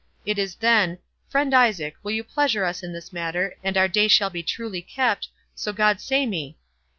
It is then, Friend Isaac, will you pleasure us in this matter, and our day shall be truly kept, so God sa' me?